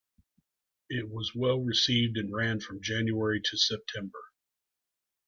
It was well received and ran from January to September.